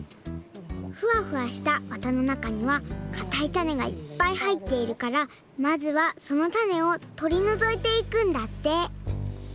ふわふわしたわたのなかにはかたいたねがいっぱいはいっているからまずはそのたねをとりのぞいていくんだって